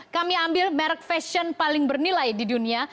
kami ambil merek fashion paling bernilai di dunia